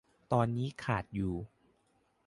ตอนนี้ขาดอยู่